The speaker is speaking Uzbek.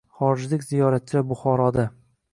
Xorijlik ziyoratchilar Buxoroda